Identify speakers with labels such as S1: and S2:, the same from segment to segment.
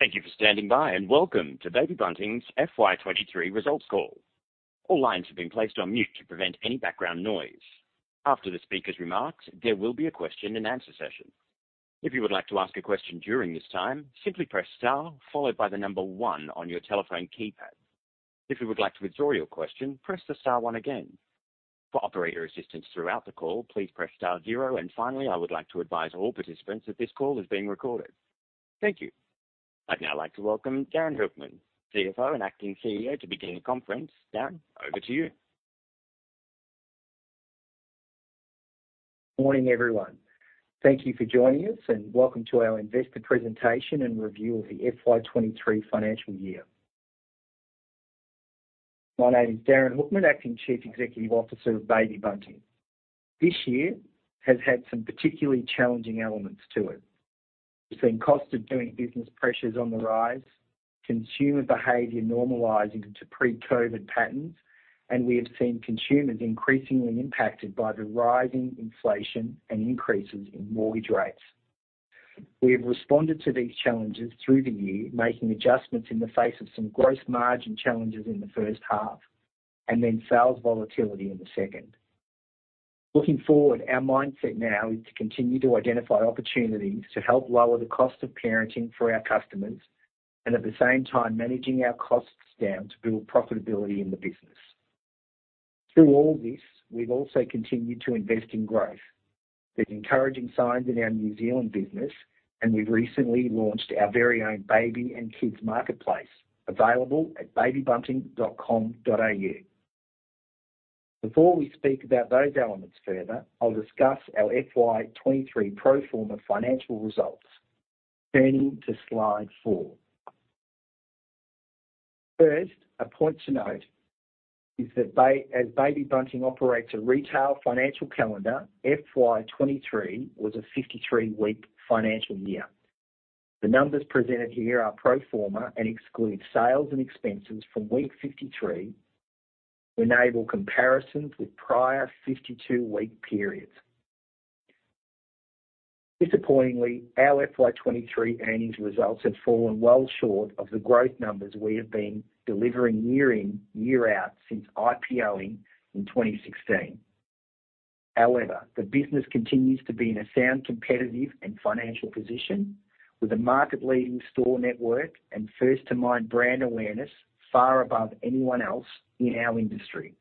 S1: Thank you for standing by, welcome to Baby Bunting's FY 2023 results call. All lines have been placed on mute to prevent any background noise. After the speaker's remarks, there will be a question-and-answer session. If you would like to ask a question during this time, simply press Star followed by the number one on your telephone keypad. If you would like to withdraw your question, press the Star one again. For operator assistance throughout the call, please press Star zero, finally, I would like to advise all participants that this call is being recorded. Thank you. I'd now like to welcome Darin Hoekman, CFO, and acting CEO, to begin the conference. Darin, over to you.
S2: Morning, everyone. Thank you for joining us, and welcome to our investor presentation and review of the FY 2023 financial year. My name is Darin Hoekman, Acting Chief Executive Officer of Baby Bunting. This year has had some particularly challenging elements to it. We've seen cost of doing business pressures on the rise, consumer behavior normalizing to pre-COVID patterns, and we have seen consumers increasingly impacted by the rising inflation and increases in mortgage rates. We have responded to these challenges through the year, making adjustments in the face of some gross margin challenges in the first half, and then sales volatility in the second. Looking forward, our mindset now is to continue to identify opportunities to help lower the cost of parenting for our customers and at the same time managing our costs down to build profitability in the business. Through all this, we've also continued to invest in growth. There are encouraging signs in our New Zealand business. We've recently launched our very own baby and kids Marketplace, available at babybunting.com.au. Before we speak about those elements further, I'll discuss our FY 2023 pro forma financial results. Turning to slide four. First a point to note is that as Baby Bunting operates a retail financial calendar, FY 2023 was a 53-week financial year. The numbers presented here are pro forma and exclude sales and expenses from week 53 to enable comparisons with prior 52-week periods. Disappointingly, our FY 2023 earnings results have fallen well short of the growth numbers we have been delivering year in, year out since IPO in 2016. However, the business continues to be in a sound, competitive, and financial position with a market-leading store network and first-to-mind brand awareness far above anyone else in our industry.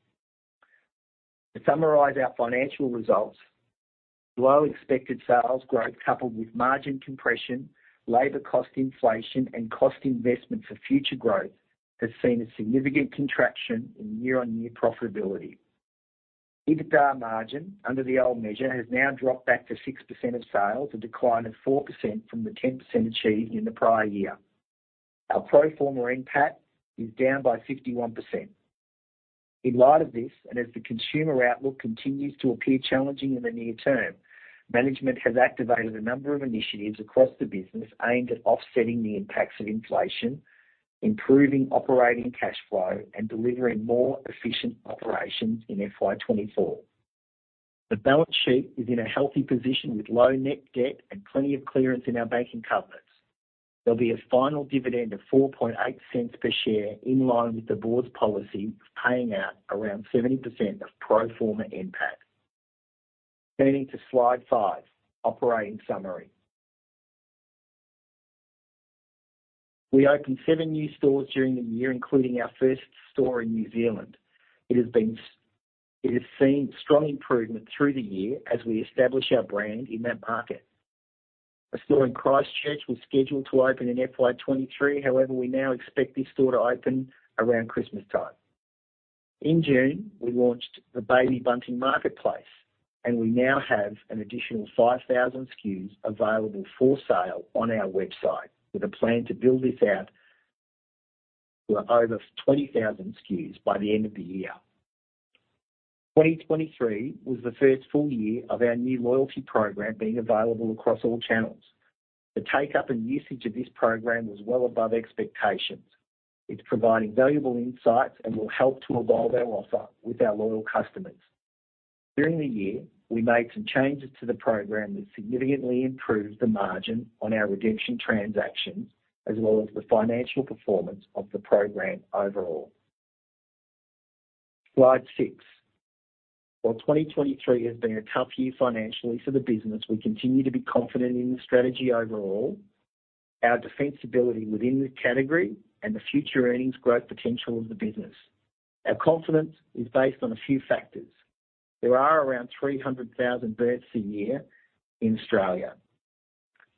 S2: To summarize our financial results, well, expected sales growth, coupled with margin compression, labor cost inflation, and cost investment for future growth, has seen a significant contraction in year-on-year profitability. EBITDA margin under the old measure has now dropped back to 6% of sales, a decline of 4% from the 10% achieved in the prior year. Our pro forma NPAT is down by 51%. In light of this, and as the consumer outlook continues to appear challenging in the near term, management has activated a number of initiatives across the business aimed at offsetting the impacts of inflation, improving operating cash flow, and delivering more efficient operations in FY 2024. The balance sheet is in a healthy position with low net debt and plenty of clearance in our banking covenants. There'll be a final dividend of 0.048 per share, in line with the board's policy of paying out around 70% of pro forma NPAT. Turning to slide five, operating summary. We opened seven new stores during the year, including our first store in New Zealand. It has seen strong improvement through the year as we establish our brand in that market. A store in Christchurch was scheduled to open in FY 2023; however, we now expect this store to open around Christmas time. In June, we launched the Baby Bunting Marketplace. We now have an additional 5,000 SKUs available for sale on our website, with a plan to build this out to over 20,000 SKUs by the end of the year. 2023 was the first full year of our new loyalty program being available across all channels. The take-up and usage of this program was well above expectations. It's providing valuable insights and will help to evolve our offer with our loyal customers. During the year, we made some changes to the program that significantly improved the margin on our redemption transactions, as well as the financial performance of the program overall. Slide six. While 2023 has been a tough year financially for the business, we continue to be confident in the strategy overall, our defensibility within the category, and the future earnings growth potential of the business. Our confidence is based on a few factors. There are around 300,000 births a year in Australia.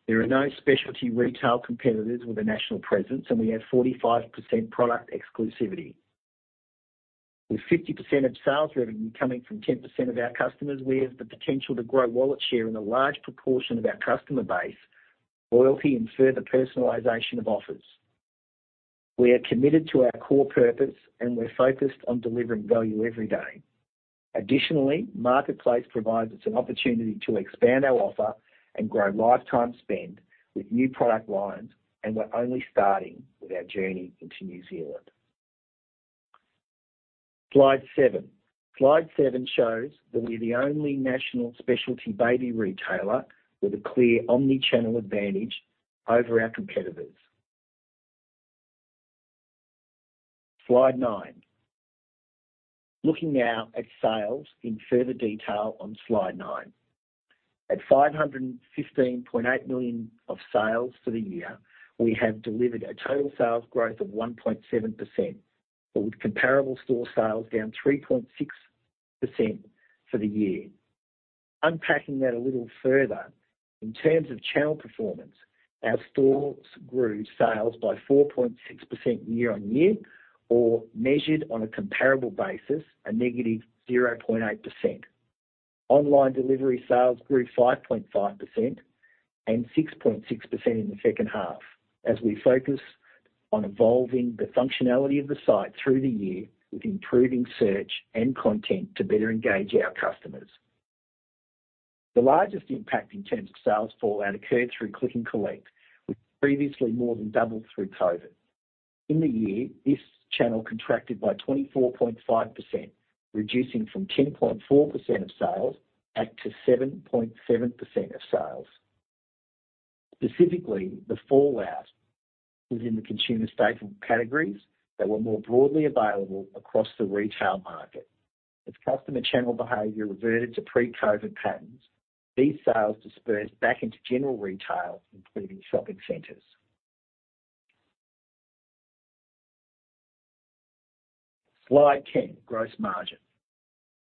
S2: There are no specialty retail competitors with a national presence. We have 45% product exclusivity. With 50% of sales revenue coming from 10% of our customers, we have the potential to grow wallet share in a large proportion of our customer base, loyalty, and further personalization of offers. We are committed to our core purpose. We're focused on delivering value every day. Additionally, Marketplace provides us an opportunity to expand our offer and grow lifetime spend with new product lines. We're only starting with our journey into New Zealand. Slide seven. Slide seven shows that we're the only national specialty baby retailer with a clear omni-channel advantage over our competitors. Slide nine. Looking now at sales in further detail on slide nine. At 515.8 million of sales for the year, we have delivered a total sales growth of 1.7%, with comparable store sales down 3.6% for the year. Unpacking that a little further, in terms of channel performance, our stores grew sales by 4.6% year-on-year, or measured on a comparable basis, a -0.8%. Online delivery sales grew 5.5% and 6.6% in the second half as we focus on evolving the functionality of the site through the year, with improving search and content to better engage our customers. The largest impact in terms of sales fallout occurred through click and collect, which previously more than doubled through COVID. In the year, this channel contracted by 24.5%, reducing from 10.4% of sales back to 7.7% of sales. Specifically, the fallout was in the consumer staple categories that were more broadly available across the retail market. As customer channel behavior reverted to pre-COVID patterns, these sales dispersed back into general retail, including shopping centers. Slide 10, gross margin.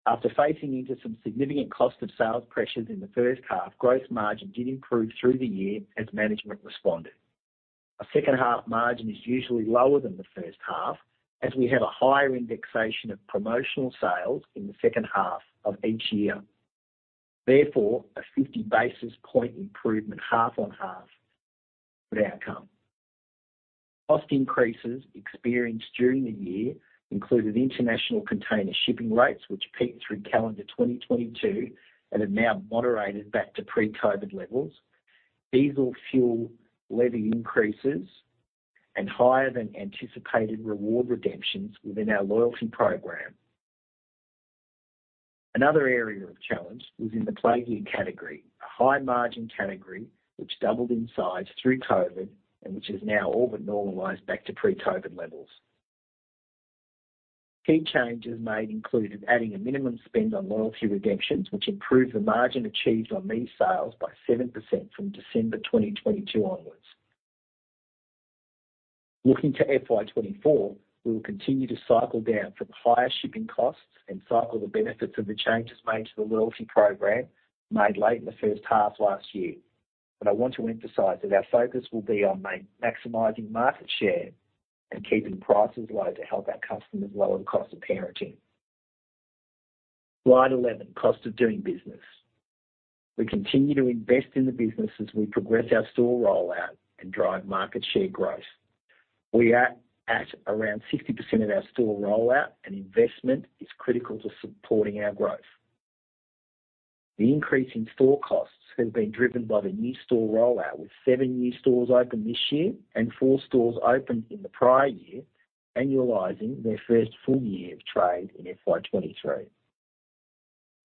S2: After facing into some significant cost of sales pressures in the first half, gross margin did improve through the year as management responded. Our second half margin is usually lower than the first half, as we have a higher indexation of promotional sales in the second half of each year. Therefore, a 50 basis point improvement half-on-half good outcome. Cost increases experienced during the year included international container shipping rates, which peaked through calendar 2022 and have now moderated back to pre-COVID levels, diesel fuel levy increases, and higher than anticipated reward redemptions within our loyalty program. Another area of challenge was in the play gear category, a high-margin category which doubled in size through COVID and which has now all but normalized back to pre-COVID levels. Key changes made included adding a minimum spend on loyalty redemptions, which improved the margin achieved on these sales by 7% from December 2022 onwards. Looking to FY 2024, we will continue to cycle down from higher shipping costs and cycle the benefits of the changes made to the loyalty program made late in the first half last year. I want to emphasize that our focus will be on maximizing market share and keeping prices low to help our customers lower the cost of parenting. Slide 11, cost of doing business. We continue to invest in the business as we progress our store rollout and drive market share growth. We are at around 60% of our store rollout, and investment is critical to supporting our growth. The increase in store costs has been driven by the new store rollout, with seven new stores opened this year and four stores opened in the prior year, annualizing their first full year of trade in FY 2023.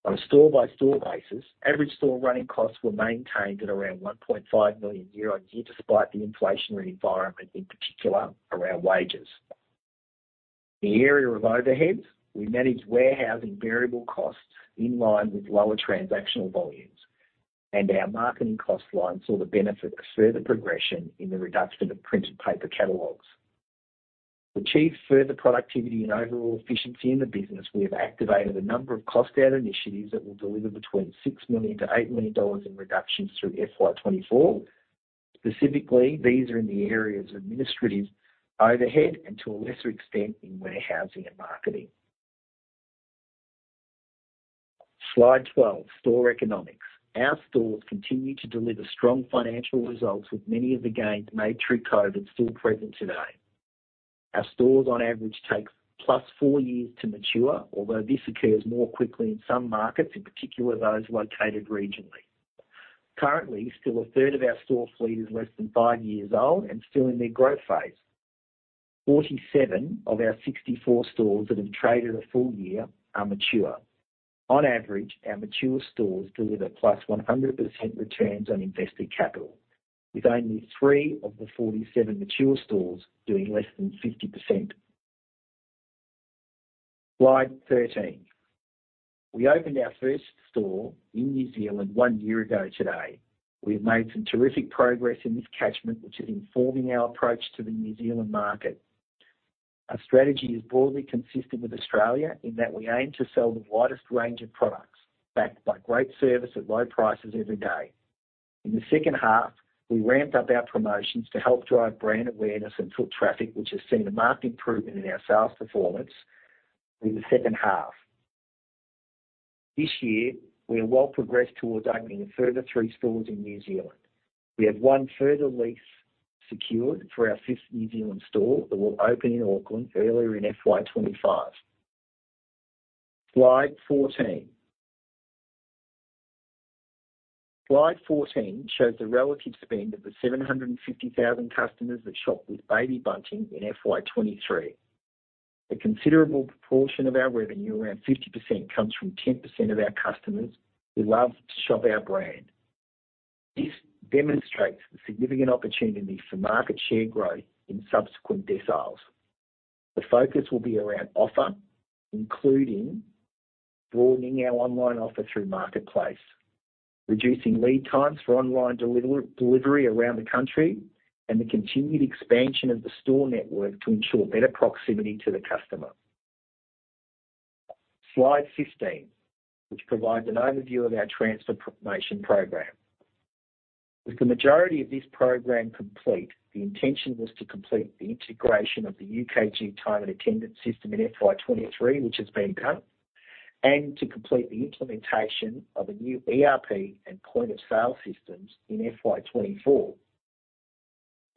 S2: On a store-by-store basis, average store running costs were maintained at around 1.5 million year-on-year, despite the inflationary environment, in particular, around wages. The area of overheads, we managed warehousing variable costs in line with lower transactional volumes, our marketing cost line saw the benefit of further progression in the reduction of printed paper catalogs. To achieve further productivity and overall efficiency in the business, we have activated a number of cost-out initiatives that will deliver between 6 million-8 million dollars in reductions through FY 2024. Specifically, these are in the areas of administrative overhead and, to a lesser extent, in warehousing and marketing. Slide 12, store economics. Our stores continue to deliver strong financial results, with many of the gains made through COVID still present today. Our stores, on average, take +4 years to mature, although this occurs more quickly in some markets, in particular, those located regionally. Currently, still a third of our store fleet is less than five years old and still in their growth phase. 47 of our 64 stores that have traded a full year are mature. On average, our mature stores deliver +100% returns on invested capital, with only three of the 47 mature stores doing less than 50%. Slide 13. We opened our first store in New Zealand one year ago today. We've made some terrific progress in this catchment, which is informing our approach to the New Zealand market. Our strategy is broadly consistent with Australia, in that we aim to sell the widest range of products, backed by great service at low prices every day. In the second half, we ramped up our promotions to help drive brand awareness and foot traffic, which has seen a marked improvement in our sales performance in the second half. This year, we are well progressed towards opening a further three stores in New Zealand. We have one further lease secured for our fifth New Zealand store that will open in Auckland earlier in FY 2025. Slide 14 shows the relative spend of the 750,000 customers that shopped with Baby Bunting in FY 2023. A considerable proportion of our revenue, around 50%, comes from 10% of our customers who love to shop our brand. This demonstrates the significant opportunity for market share growth in subsequent deciles. The focus will be around offer, including broadening our online offer through Marketplace, reducing lead times for online delivery around the country, and the continued expansion of the store network to ensure better proximity to the customer. Slide 15, which provides an overview of our transformation program. With the majority of this program complete, the intention was to complete the integration of the UKG time and attendance system in FY 2023, which has been done, and to complete the implementation of a new ERP and point-of-sale systems in FY 2024.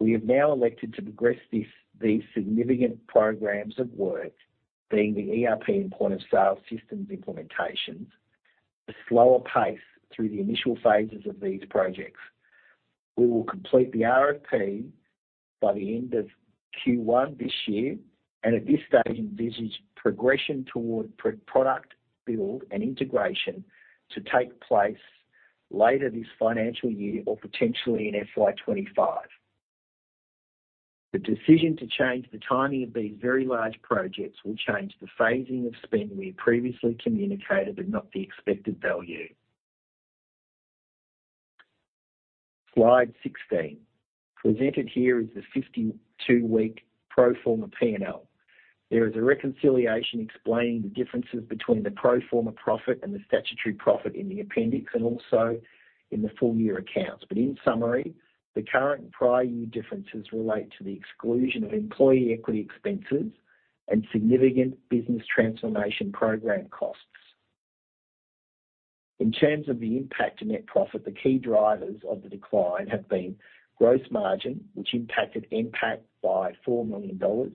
S2: We have now elected to progress these significant programs of work, being the ERP and point-of-sale systems implementations, a slower pace through the initial phases of these projects. We will complete the RFP by the end of Q1 this year, and at this stage, envisage progression toward product build and integration to take place later this financial year or potentially in FY 2025. The decision to change the timing of these very large projects will change the phasing of spend we had previously communicated, but not the expected value. Slide 16. Presented here is the 52-week pro forma P&L. There is a reconciliation explaining the differences between the pro forma profit and the statutory profit in the appendix and also in the full year accounts. In summary, the current prior year differences relate to the exclusion of employee equity expenses and significant business transformation program costs. In terms of the impact to net profit, the key drivers of the decline have been gross margin, which impacted NPAT by 4 million dollars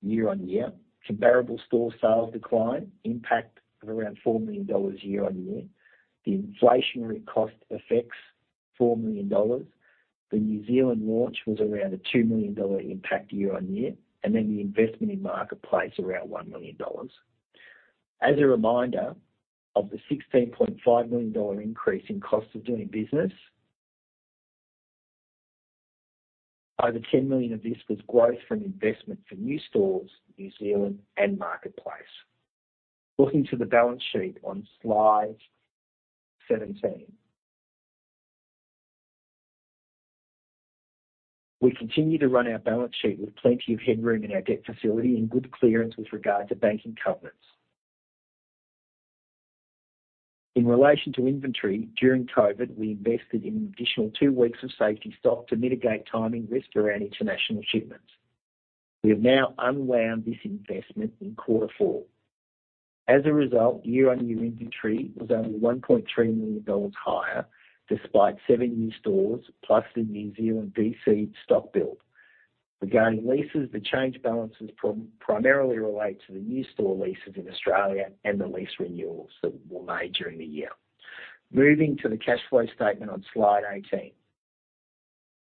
S2: year-on-year. Comparable store sales decline, impact of around 4 million dollars year-on-year. The inflationary cost affects 4 million dollars. The New Zealand launch was around a 2 million dollar impact year-on-year, and then the investment in Marketplace around 1 million dollars. As a reminder, of the 16.5 million dollar increase in cost of doing business, over 10 million of this was growth from investment for new stores, New Zealand and Marketplace. Looking to the balance sheet on slide 17. We continue to run our balance sheet with plenty of headroom in our debt facility in good clearance with regard to banking covenants. In relation to inventory, during COVID, we invested in an additional two weeks of safety stock to mitigate timing risk around international shipments. We have now unwound this investment in Q4. As a result, year-on-year inventory was only 1.3 million dollars higher, despite seven new stores plus the New Zealand DC stock build. Regarding leases, the change balances primarily relate to the new store leases in Australia and the lease renewals that were made during the year. Moving to the cash flow statement on slide 18.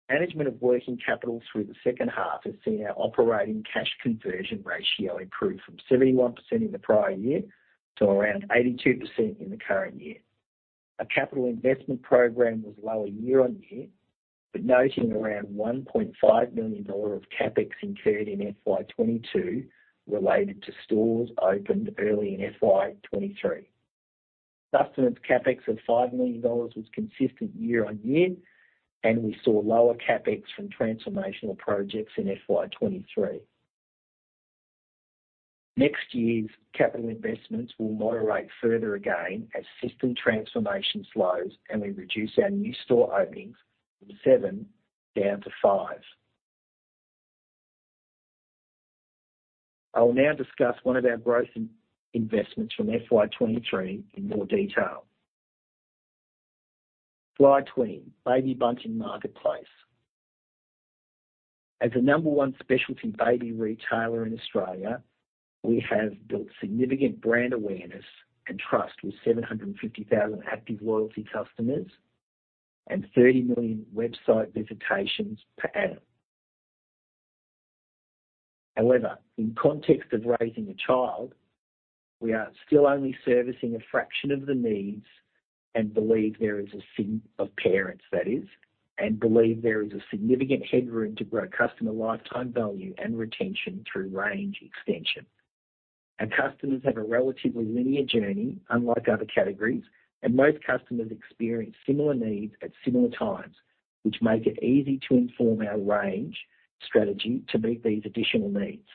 S2: Management of working capital through the second half has seen our operating cash conversion ratio improve from 71% in the prior year to around 82% in the current year. Our capital investment program was lower year-on-year, noting around 1.5 million dollar of CapEx incurred in FY 2022 related to stores opened early in FY 2023. Sustenance CapEx of 5 million dollars was consistent year-on-year, we saw lower CapEx from transformational projects in FY 2023. Next year's capital investments will moderate further again as system transformation slows and we reduce our new store openings from seven down to five. I will now discuss one of our growth investments from FY 2023 in more detail. Slide 20, Baby Bunting Marketplace. As the number one specialty baby retailer in Australia, we have built significant brand awareness and trust with 750,000 active loyalty customers and 30 million website visitations per annum. However, in context of raising a child, we are still only servicing a fraction of the needs of parents, that is, and believe there is a significant headroom to grow customer lifetime value and retention through range extension. Our customers have a relatively linear journey, unlike other categories, and most customers experience similar needs at similar times, which make it easy to inform our range strategy to meet these additional needs.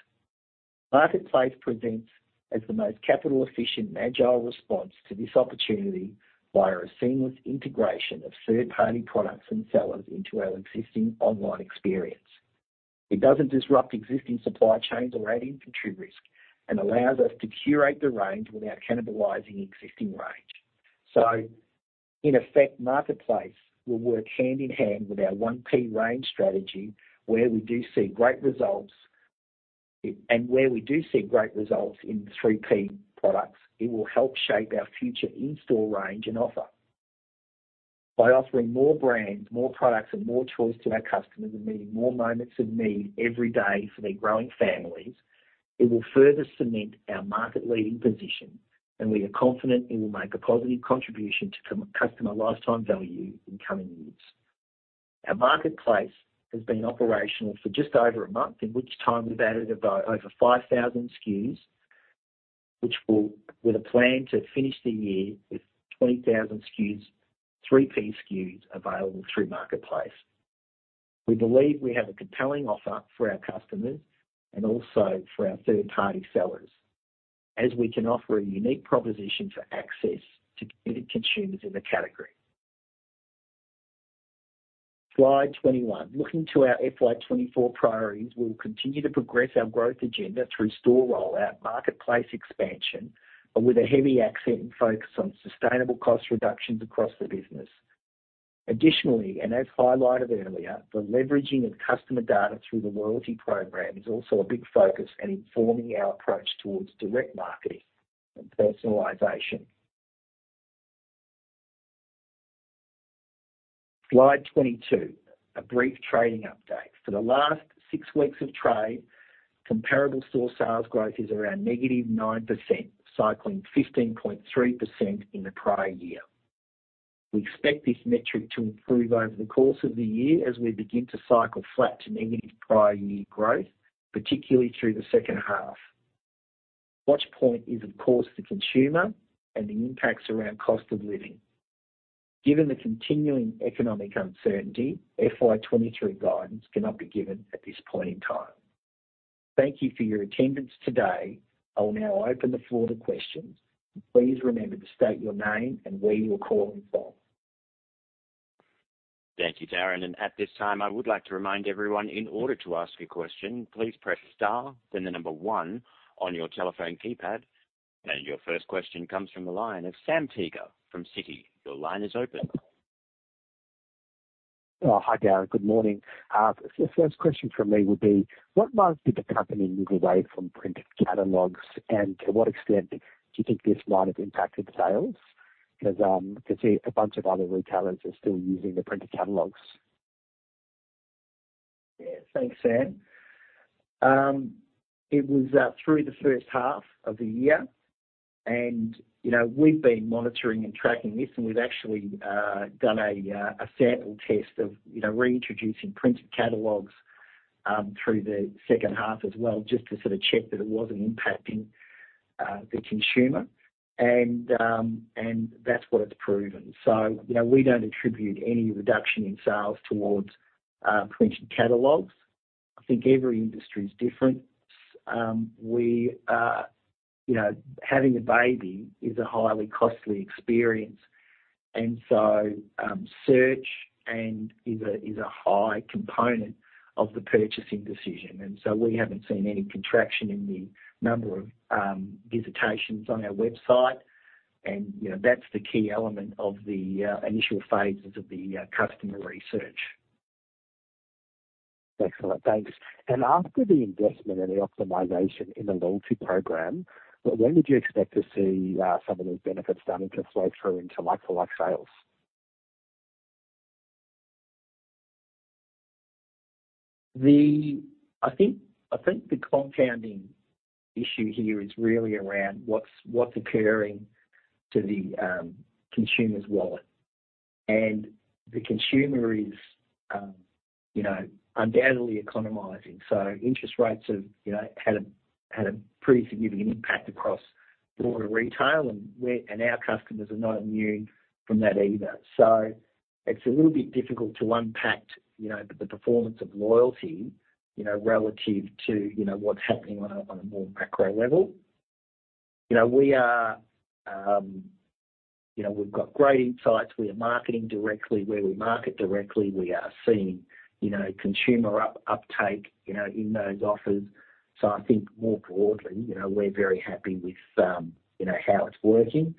S2: Marketplace presents as the most capital-efficient and agile response to this opportunity via a seamless integration of third-party products and sellers into our existing online experience. It doesn't disrupt existing supply chains or add inventory risk, allows us to curate the range without cannibalizing existing range. In effect, Marketplace will work hand in hand with our 1P range strategy, where we do see great results. Where we do see great results in 3P products, it will help shape our future in-store range and offer. By offering more brands, more products, and more choice to our customers, and meeting more moments of need every day for their growing families, it will further cement our market-leading position, we are confident it will make a positive contribution to customer lifetime value in coming years. Our Marketplace has been operational for just over a month, in which time we've added about over 5,000 SKUs, with a plan to finish the year with 20,000 SKUs, 3P SKUs available through Marketplace. We believe we have a compelling offer for our customers and also for our third-party sellers, as we can offer a unique proposition for access to consumers in the category. Slide 21. Looking to our FY 2024 priorities, we will continue to progress our growth agenda through store rollout, Marketplace expansion, but with a heavy accent and focus on sustainable cost reductions across the business. Additionally, as highlighted earlier, the leveraging of customer data through the loyalty program is also a big focus in informing our approach towards direct marketing and personalization. Slide 22. A brief trading update. For the last six weeks of trade, comparable store sales growth is around -9%, cycling 15.3% in the prior year. We expect this metric to improve over the course of the year as we begin to cycle flat to negative prior year growth, particularly through the second half. Watchpoint is, of course, the consumer and the impacts around cost of living. Given the continuing economic uncertainty, FY 2023 guidance cannot be given at this point in time. Thank you for your attendance today. I will now open the floor to questions. Please remember to state your name and where you are calling from.
S1: Thank you, Darin, at this time, I would like to remind everyone, in order to ask a question, please press star, then one on your telephone keypad. Your first question comes from the line of Sam Teeger from Citi. Your line is open.
S3: Oh, hi, Darin. Good morning. The first question from me would be, what month did the company move away from printed catalogs, and to what extent do you think this might have impacted sales? Because I can see a bunch of other retailers are still using the printed catalogs.
S2: Yeah, thanks, Sam. It was through the first half of the year, and, you know, we've been monitoring and tracking this, and we've actually done a sample test of, you know, reintroducing printed catalogs through the second half as well, just to sort of check that it wasn't impacting the consumer. That's what it's proven. You know, we don't attribute any reduction in sales towards printed catalogs. I think every industry is different. You know, having a baby is a highly costly experience, and so search and is a high component of the purchasing decision. We haven't seen any contraction in the number of visitations on our website, and, you know, that's the key element of the initial phases of the customer research.
S3: Excellent. Thanks. After the investment and the optimization in the loyalty program, when would you expect to see some of those benefits starting to flow through into like-for-like sales?
S2: I think, I think the compounding issue here is really around what's, what's occurring to the consumer's wallet. The consumer is, you know, undoubtedly economizing. Interest rates have, you know, had a, had a pretty significant impact across broader retail, and we're-- and our customers are not immune from that either. It's a little bit difficult to unpack, you know, the performance of loyalty, you know, relative to, you know, what's happening on a, on a more macro level. You know, we are, you know, we've got great insights. We are marketing directly. Where we market directly, we are seeing, you know, consumer up-uptake, you know, in those offers. I think more broadly, you know, we're very happy with, you know, how it's working.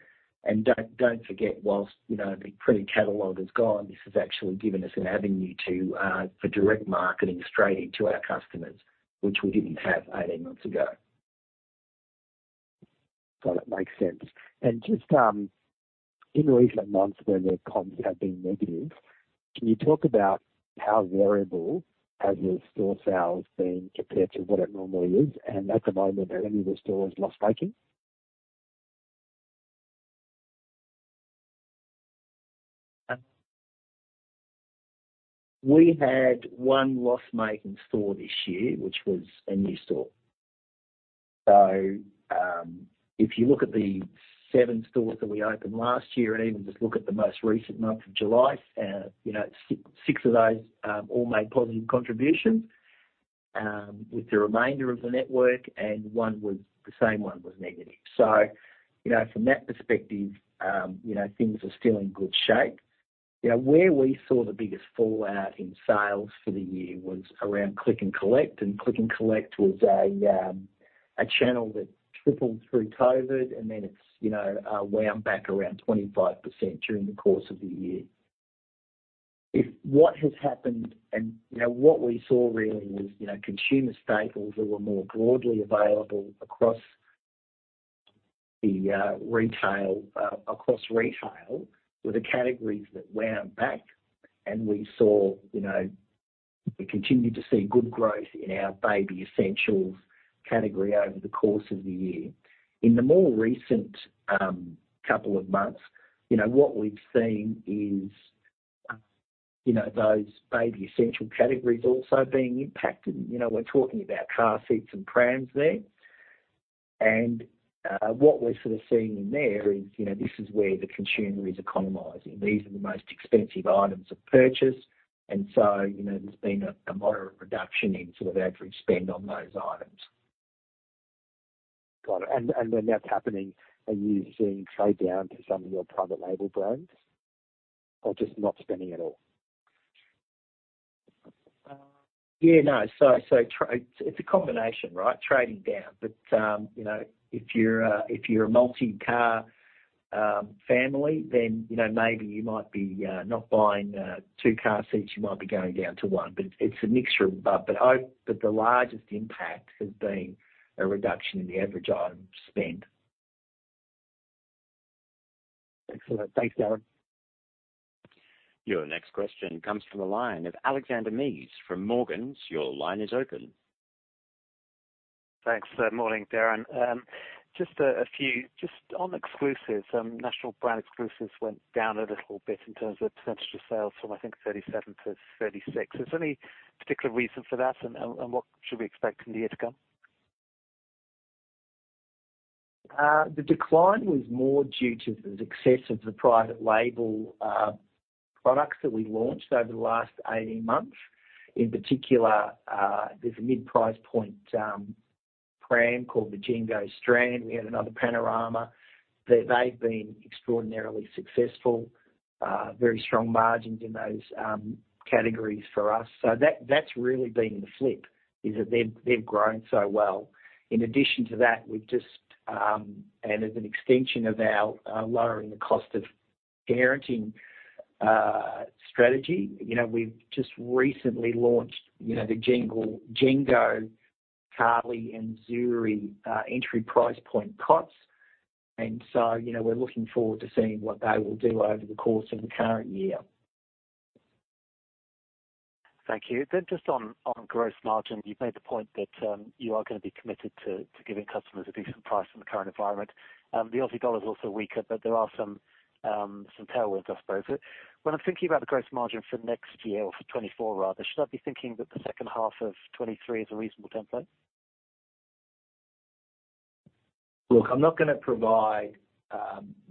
S2: Don't, don't forget, whilst, you know, the printed catalog is gone, this has actually given us an avenue to, for direct marketing straight into our customers, which we didn't have 18 months ago.
S3: Got it. Makes sense. Just, in the recent months when the comps have been negative, can you talk about how variable has your store sales been compared to what it normally is? At the moment, are any of the stores loss-making?
S2: We had one loss-making store this year, which was a new store. If you look at the seven stores that we opened last year, and even just look at the most recent month of July, you know, six of those, all made positive contributions with the remainder of the network, and the same one was negative. You know, from that perspective, you know, things are still in good shape. You know, where we saw the biggest fallout in sales for the year was around click and collect, and click and collect was a channel that tripled through COVID, and then it's, you know, wound back around 25% during the course of the year. If what has happened and, you know, what we saw really was, you know, consumer staples that were more broadly available across the retail, across retail, were the categories that wound back. We saw, you know, we continued to see good growth in our baby essentials category over the course of the year. In the more recent couple of months, you know, what we've seen is, you know, those baby essential categories also being impacted. You know, we're talking about car seats and prams there. What we're sort of seeing in there is, you know, this is where the consumer is economizing. These are the most expensive items of purchase, and so, you know, there's been a, a moderate reduction in sort of average spend on those items.
S3: Got it. When that's happening, are you seeing trade down to some of your private label brands or just not spending at all?
S2: Yeah, no. It's a combination, right? Trading down. You know, if you're a, if you're a multi-car family, then, you know, maybe you might be not buying two car seats, you might be going down to one. It's a mixture of both. The largest impact has been a reduction in the average item spend.
S3: Excellent. Thanks, Darin.
S1: Your next question comes from the line of Alexander Mees from Morgans. Your line is open.
S4: Thanks. Morning, Darin. Just on exclusives, national brand exclusives went down a little bit in terms of percentage of sales from, I think, 37%-36%. Is there any particular reason for that, and what should we expect in the year to come?
S2: The decline was more due to the success of the private label products that we launched over the last 18 months. In particular, there's a mid-price point pram called the Jengo STRAND. We had another PANORAMA. They, they've been extraordinarily successful, very strong margins in those categories for us. So that, that's really been the flip, is that they've, they've grown so well. In addition to that, we've just, and as an extension of our lowering the cost of parenting strategy, you know, we've just recently launched, you know, the Jengo KALI and ZURI entry price point cots. And so, you know, we're looking forward to seeing what they will do over the course of the current year.
S4: Thank you. Just on, on gross margin, you've made the point that you are gonna be committed to, to giving customers a decent price in the current environment. The Aussie dollar is also weaker, but there are some, some tailwinds, I suppose. When I'm thinking about the gross margin for next year or for 2024 rather, should I be thinking that the second half of 2023 is a reasonable template?
S2: Look, I'm not gonna provide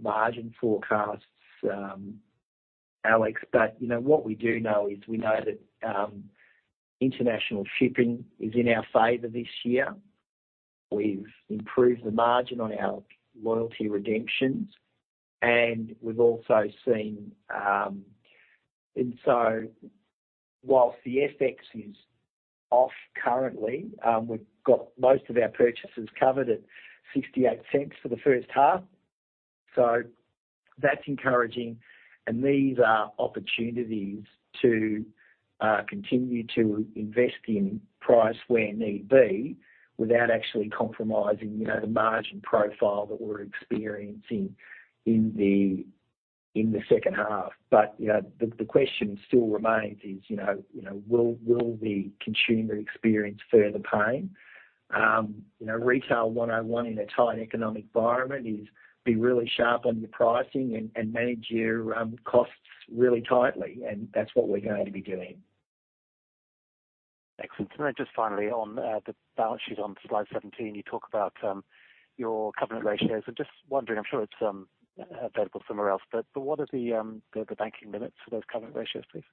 S2: margin forecasts, Alex, but, you know, what we do know is we know that international shipping is in our favor this year. We've improved the margin on our loyalty redemptions, and we've also seen. Whilst the FX is off currently, we've got most of our purchases covered at 0.68 for the first half, so that's encouraging. These are opportunities to continue to invest in price where need be, without actually compromising, you know, the margin profile that we're experiencing in the second half. You know, the question still remains is, you know, you know, will, will the consumer experience further pain? you know, retail 101 in a tight economic environment is be really sharp on your pricing and, and manage your costs really tightly, and that's what we're going to be doing.
S4: Excellent. Then just finally on, the balance sheet on slide 17, you talk about, your covenant ratios. I'm just wondering, I'm sure it's available somewhere else, but what are the banking limits for those covenant ratios, please?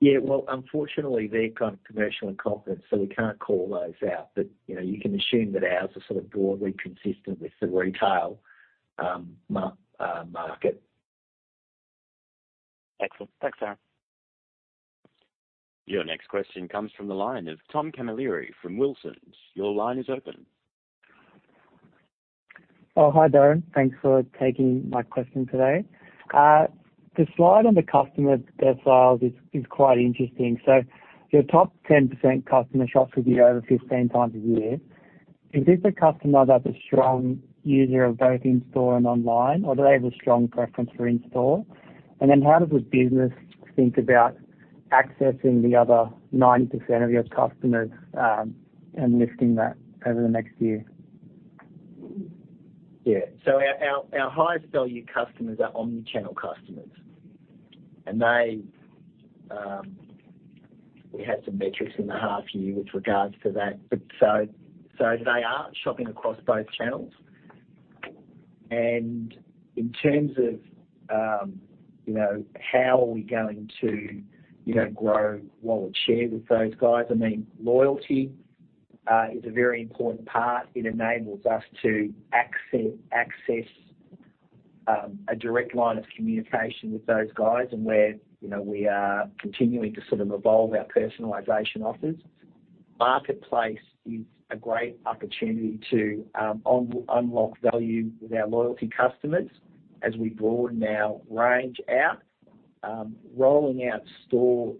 S2: Yeah, well, unfortunately, they're kind of commercial in confidence, so we can't call those out. You know, you can assume that ours are sort of broadly consistent with the retail market.
S4: Excellent. Thanks, Darin.
S1: Your next question comes from the line of Tom Camilleri from Wilsons. Your line is open.
S5: Oh, hi, Darin. Thanks for taking my question today. The slide on the customer deciles is quite interesting. Your top 10% customer shops with you over 15x a year. Is this a customer that's a strong user of both in-store and online, or do they have a strong preference for in-store? Then how does the business think about accessing the other 90% of your customers, and lifting that over the next year?
S2: Yeah. Our, our, our highest value customers are omni-channel customers, and they, we had some metrics in the half year with regards to that. They are shopping across both channels. In terms of, you know, how are we going to, you know, grow wallet share with those guys? I mean, loyalty, is a very important part. It enables us to access, access, a direct line of communication with those guys, and where, you know, we are continuing to sort of evolve our personalization offers. Marketplace is a great opportunity to unlock value with our loyalty customers as we broaden our range out. Rolling out store,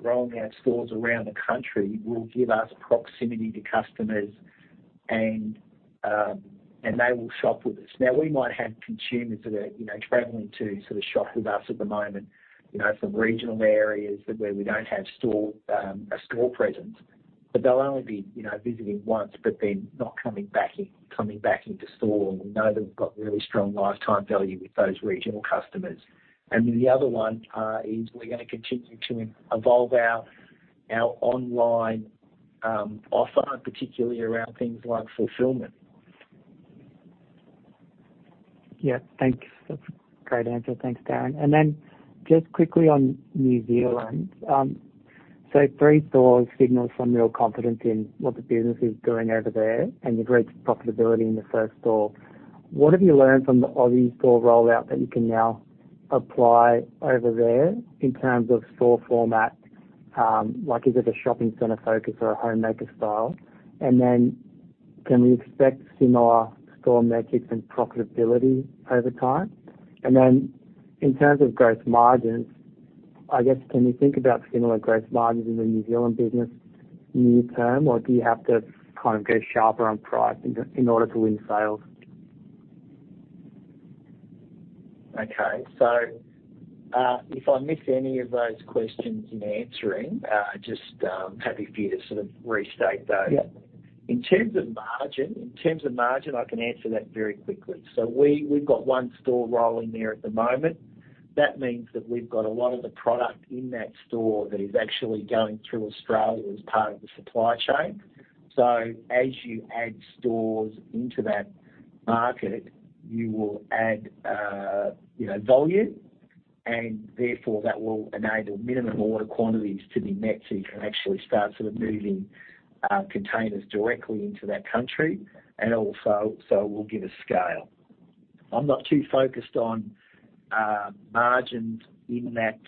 S2: rolling out stores around the country will give us proximity to customers, and, they will shop with us. We might have consumers that are, you know, traveling to sort of shop with us at the moment, you know, from regional areas that where we don't have store, a store presence, but they'll only be, you know, visiting once, but then not coming back in, coming back into store. We know that we've got really strong lifetime value with those regional customers. The other one, is we're gonna continue to evolve our, our online, offer, particularly around things like fulfillment.
S5: Yeah. Thanks. That's a great answer. Thanks, Darin. Just quickly on New Zealand. So three stores signals some real confidence in what the business is doing over there, and you've reached profitability in the first store. What have you learned from the Aussie store rollout that you can now apply over there in terms of store format? Like, is it a shopping center focus or a homemaker style? Can we expect similar store metrics and profitability over time? In terms of gross margins, I guess, can you think about similar gross margins in the New Zealand business near term, or do you have to kind of go sharper on price in, in order to win sales?
S2: Okay. if I missed any of those questions in answering, just happy for you to sort of restate those.
S5: Yeah.
S2: In terms of margin, in terms of margin, I can answer that very quickly. We, we've got one store rolling there at the moment. That means that we've got a lot of the product in that store that is actually going through Australia as part of the supply chain. As you add stores into that market, you will add, you know, volume, and therefore that will enable minimum order quantities to be met, so you can actually start sort of moving containers directly into that country and also, so it will give us scale. I'm not too focused on margins in that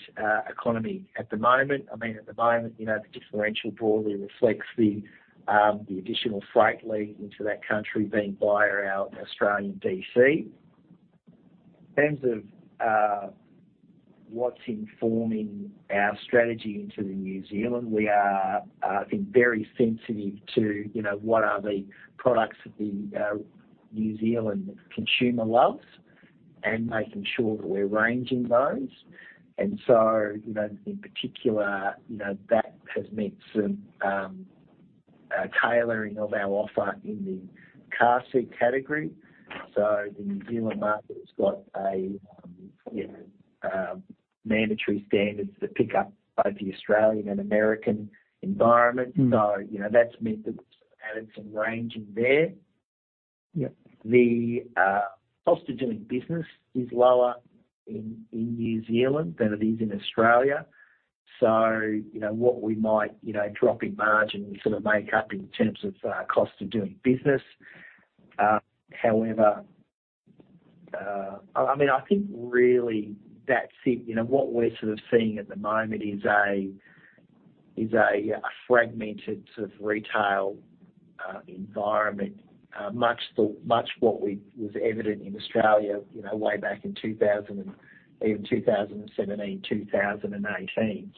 S2: economy at the moment. I mean, at the moment, you know, the differential broadly reflects the additional freight leading into that country being via our Australian DC. In terms of what's informing our strategy into the New Zealand, we are, I think, very sensitive to, you know, what are the products that the New Zealand consumer loves, and making sure that we're ranging those. So, you know, in particular, you know, that has meant some tailoring of our offer in the car seat category. The New Zealand market has got a, you know, mandatory standards that pick up both the Australian and American environment.
S5: Mm-hmm.
S2: you know, that's meant that we've added some ranging there.
S5: Yep.
S2: The cost of doing business is lower in New Zealand than it is in Australia. You know what we might, you know, drop in margin sort of make up in terms of cost of doing business. However, I mean, I think really that's it. You know, what we're sort of seeing at the moment is a fragmented sort of retail environment, much what we was evident in Australia, you know, way back in 2000, even 2017, 2018.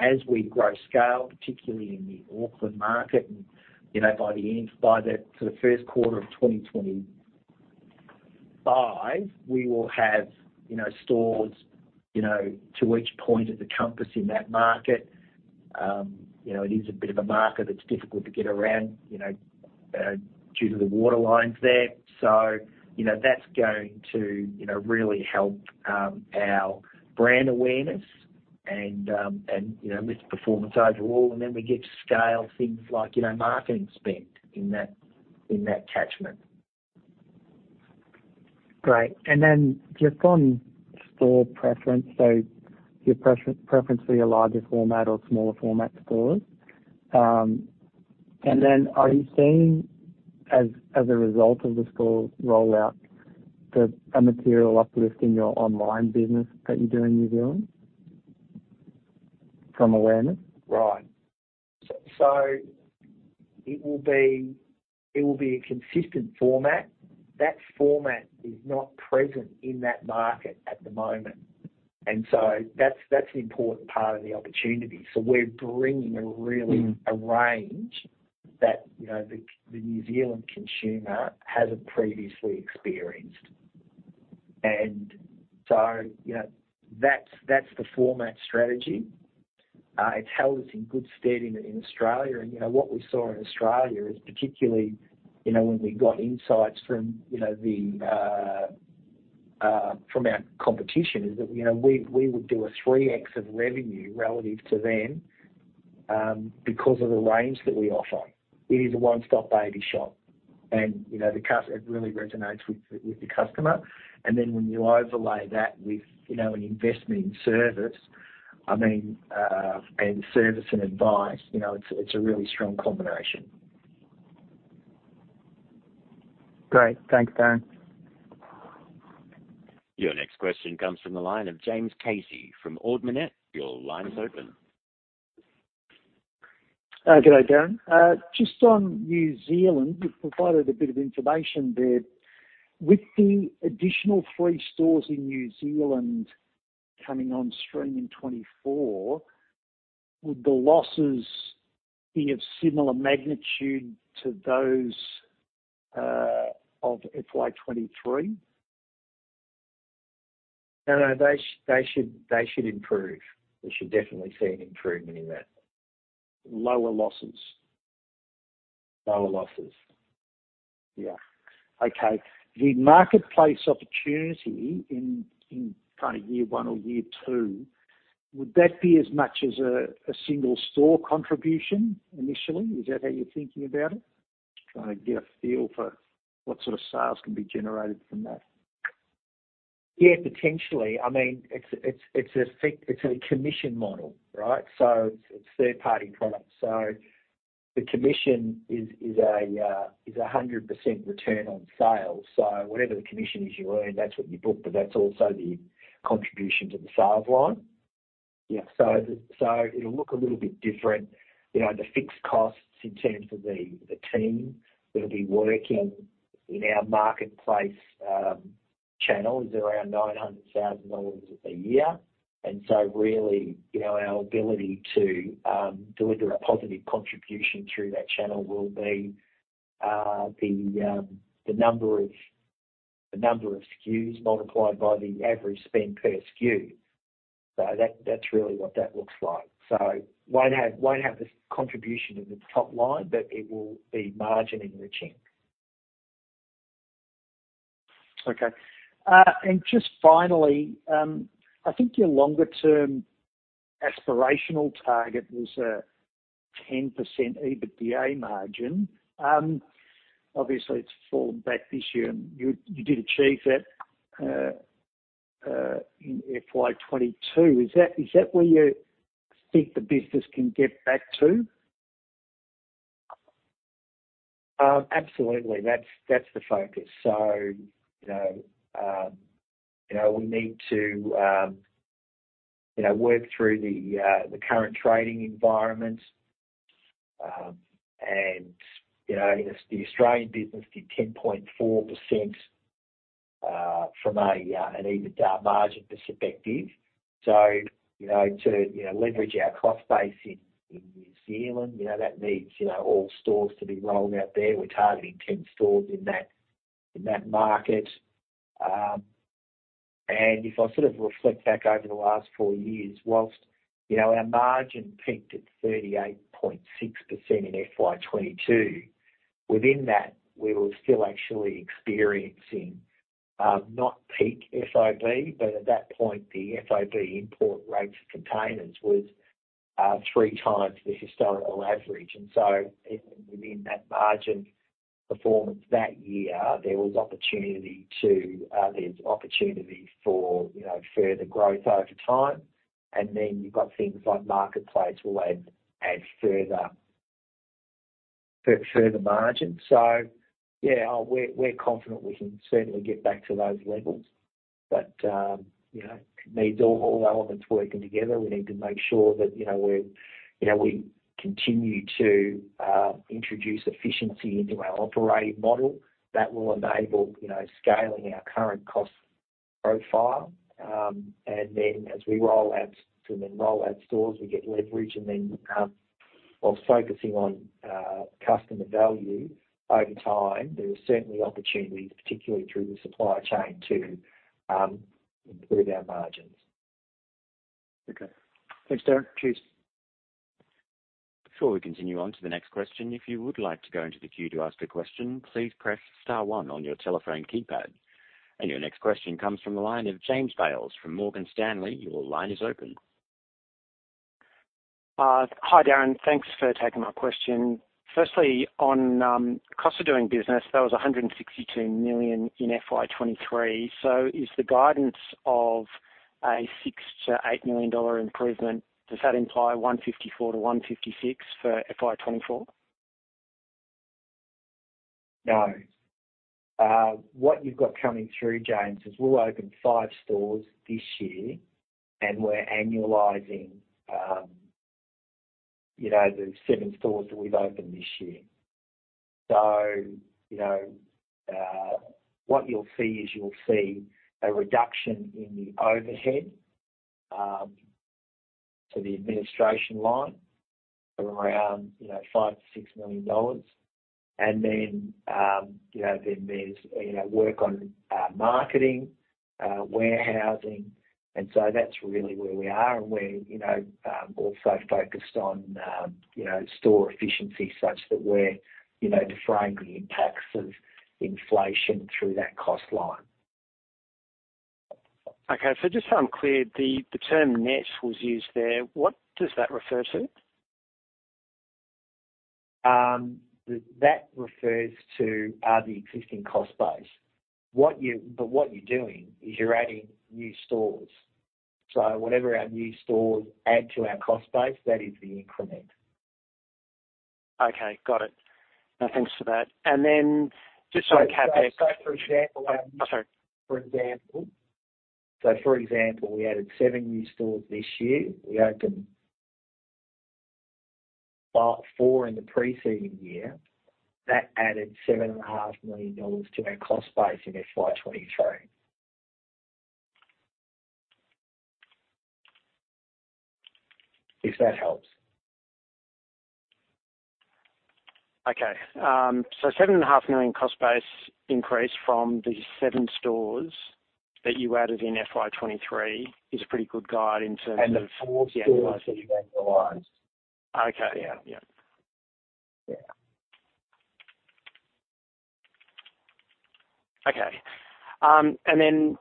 S2: As we grow scale, particularly in the Auckland market, you know, by the end, by the sort of first quarter of 2025, we will have, you know, stores, you know, to each point of the compass in that market. You know, it is a bit of a market that's difficult to get around, you know, due to the water lines there. You know, that's going to, you know, really help our brand awareness and, and, you know, with performance overall, and then we get to scale things like, you know, marketing spend in that, in that catchment.
S5: Great. Just on store preference, so your preference, preference for your larger format or smaller format stores. Are you seeing as, as a result of the store rollout, the, a material uplift in your online business that you do in New Zealand from awareness?
S2: Right. It will be, it will be a consistent format. That format is not present in that market at the moment, and so that's, that's the important part of the opportunity. We're bringing a range that, you know, the New Zealand consumer hasn't previously experienced. So, you know, that's the format strategy. It's held us in good stead in Australia. You know, what we saw in Australia is particularly, you know, when we got insights from, you know, the from our competition, is that, you know, we would do a 3x of revenue relative to them because of the range that we offer. It is a one-stop baby shop, and, you know, the cus-- it really resonates with the customer. Then when you overlay that with, you know, an investment in service, I mean, and service and advice, you know, it's a really strong combination.
S5: Great. Thanks, Darin.
S1: Your next question comes from the line of James Casey from Ord Minnett. Your line is open.
S6: Good day, Darin. Just on New Zealand, you've provided a bit of information there. With the additional three stores in New Zealand coming on stream in 2024, would the losses be of similar magnitude to those, of FY 2023?
S2: No, no, they, they should, they should improve. We should definitely see an improvement in that.
S6: Lower losses?
S2: Lower losses.
S6: Yeah. Okay. The marketplace opportunity in, in kind of year one or year two, would that be as much as a, a single store contribution initially? Is that how you're thinking about it? Trying to get a feel for what sort of sales can be generated from that.
S2: Yeah, potentially. I mean, it's, it's, it's a commission model, right? It's third-party products. The commission is, is a, is 100% return on sales. Whatever the commission is you earn, that's what you book, but that's also the contribution to the sales line.
S6: Yeah.
S2: So it'll look a little bit different. You know, the fixed costs in terms of the, the team that'll be working in our Marketplace channel is around 900,000 dollars a year. Really, you know, our ability to deliver a positive contribution through that channel will be the number of, the number of SKUs multiplied by the average spend per SKU. That, that's really what that looks like. Won't have, won't have the contribution to the top line, but it will be margin-enriching.
S6: Okay. Just finally, I think your longer-term aspirational target was a 10% EBITDA margin. Obviously, it's fallen back this year, you, you did achieve that in FY 2022. Is that, is that where you think the business can get back to?
S2: Absolutely. That's, that's the focus. You know, you know, we need to, you know, work through the current trading environment. You know, the Australian business did 10.4% from an EBITDA margin perspective. You know, to, you know, leverage our cost base in, in New Zealand, you know, that needs, you know, all stores to be rolled out there. We're targeting 10 stores in that, in that market. If I sort of reflect back over the last four years, whilst, you know, our margin peaked at 38.6% in FY 2022, within that, we were still actually experiencing not peak FOB, but at that point, the FOB import rate for containers was 3x the historical average. Even within that margin performance that year, there was opportunity to, there's opportunity for, you know, further growth over time. You've got things like Marketplace will add, add further, further margin. We're, we're confident we can certainly get back to those levels. You know, it needs all, all elements working together. We need to make sure that, you know, we're, you know, we continue to introduce efficiency into our operating model. That will enable, you know, scaling our current cost profile, as we roll out and then roll out stores, we get leverage. Whilst focusing on customer value over time, there are certainly opportunities, particularly through the supply chain, to improve our margins.
S6: Okay. Thanks, Darin. Cheers.
S1: Before we continue on to the next question, if you would like to go into the queue to ask a question, please press star one on your telephone keypad. Your next question comes from the line of James Bales from Morgan Stanley. Your line is open.
S7: Hi, Darin. Thanks for taking my question. Firstly, on cost of doing business, that was 162 million in FY 2023. Is the guidance of a 6 million-8 million dollar improvement, does that imply 154 million-156 million for FY 2024?
S2: No. What you've got coming through, James, is we'll open five stores this year, and we're annualizing, you know, the seven stores that we've opened this year. You know, what you'll see is you'll see a reduction in the overhead to the administration line of around, you know, 5 million-6 million dollars. Then, you know, then there's, you know, work on marketing, warehousing, and so that's really where we are. We're, you know, also focused on, you know, store efficiency such that we're, you know, defraying the impacts of inflation through that cost line.
S7: Okay, just so I'm clear, the, the term net was used there. What does that refer to?
S2: That refers to the existing cost base. but what you're doing is you're adding new stores. Whatever our new stores add to our cost base, that is the increment.
S7: Okay, got it. No, thanks for that. Then just on CapEx-
S2: For example, sorry. For example, for example, we added seven new stores this year. We opened about four in the preceding year. That added 7.5 million dollars to our cost base in FY 2023. If that helps.
S7: Okay, 7.5 million cost base increase from the seven stores that you added in FY 2023 is a pretty good guide in terms of-
S2: The four stores that you randomized.
S7: Okay. Yeah. Yeah.
S2: Yeah.
S7: Okay. Then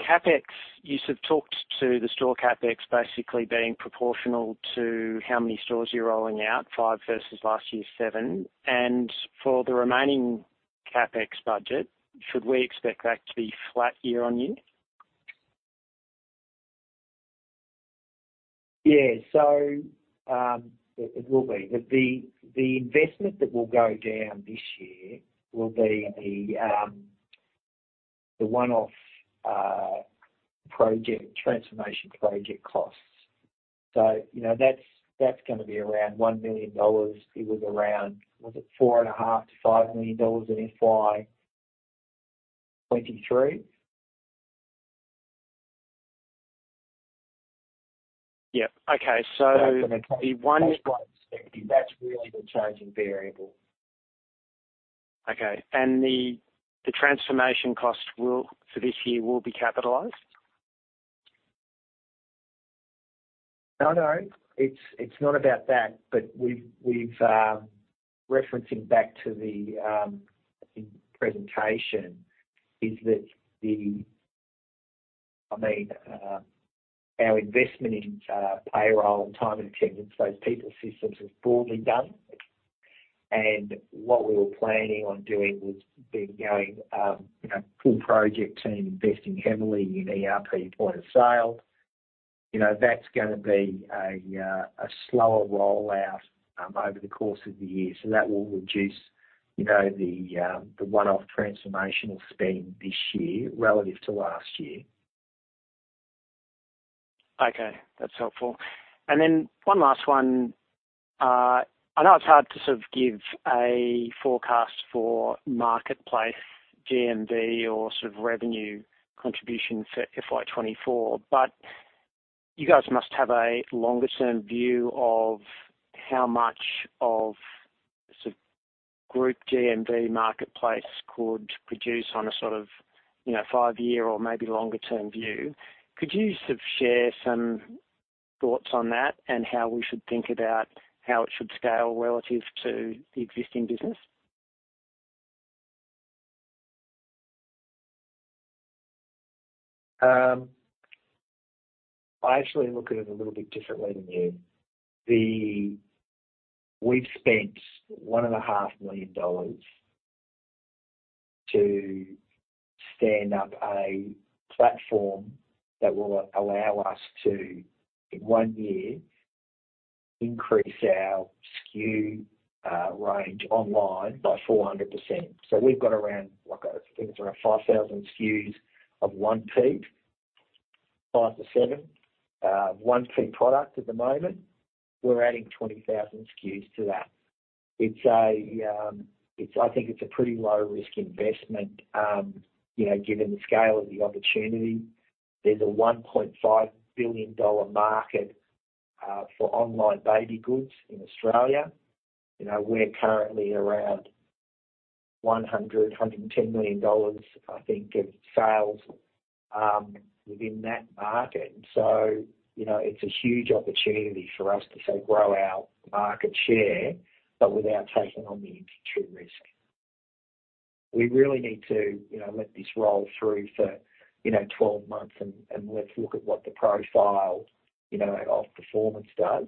S7: CapEx, you sort of talked to the store CapEx basically being proportional to how many stores you're rolling out, five versus last year seven. For the remaining CapEx budget, should we expect that to be flat year-on-year?
S2: Yeah. It will be. The, the, the investment that will go down this year will be the, the one-off, project, transformation project costs. You know, that's, that's going to be around 1 million dollars. It was around, was it 4.5 million-5 million dollars in FY 2023.
S7: Yeah. Okay. the one-
S2: That's really the changing variable.
S7: Okay, the, the transformation cost will, for this year, will be capitalized?
S2: No, no, it's, it's not about that, but we've, we've referencing back to the presentation. I mean, our investment in payroll and time and attendance, those people systems are fully done. What we were planning on doing was then going, you know, full project team, investing heavily in ERP point-of-sale. You know, that's gonna be a slower rollout over the course of the year. That will reduce, you know, the one-off transformational spend this year relative to last year.
S7: Okay, that's helpful. Then one last one. I know it's hard to sort of give a forecast for Marketplace GMV or sort of revenue contribution for FY 2024, but you guys must have a longer-term view of how much of sort of group GMV Marketplace could produce on a sort of, you know, five-year or maybe longer-term view. Could you sort of share some thoughts on that and how we should think about how it should scale relative to the existing business?
S2: I actually look at it a little bit differently than you. We've spent AUD 1.5 million to stand up a platform that will allow us to, in one year, increase our SKU range online by 400%. We've got around, like, I think it's around 5,000 SKUs of 1P, five to seven, 1P product at the moment. We're adding 20,000 SKUs to that. It's a, I think it's a pretty low-risk investment, you know, given the scale of the opportunity. There's a 1.5 billion dollar market for online baby goods in Australia. You know, we're currently around 100 million-110 million dollars, I think, of sales within that market. You know, it's a huge opportunity for us to sort of grow our market share, but without taking on the true risk. We really need to, you know, let this roll through for, you know, 12 months and let's look at what the profile, you know, of performance does,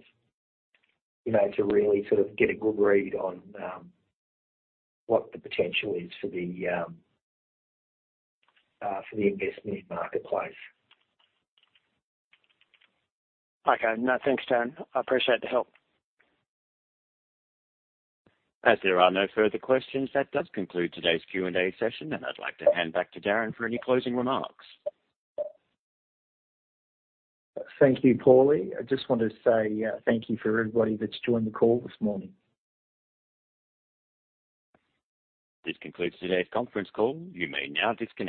S2: you know, to really sort of get a good read on what the potential is for the investment marketplace.
S7: Okay. Thanks, Darin. I appreciate the help.
S1: As there are no further questions, that does conclude today's Q&A session. I'd like to hand back to Darin for any closing remarks.
S2: Thank you, Paulie. I just want to say, thank you for everybody that's joined the call this morning.
S1: This concludes today's conference call. You may now disconnect.